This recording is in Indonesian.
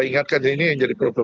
ini yang jadi problem